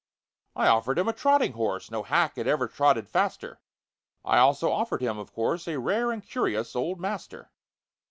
I offered him a trotting horse— No hack had ever trotted faster— I also offered him, of course, A rare and curious "old master."